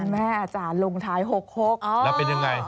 แม่อาจารย์ลงท้าย๖๖แล้วเป็นยังไง